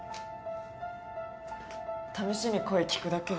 試しに声聞くだけでも。